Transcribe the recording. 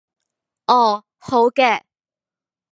哦，好嘅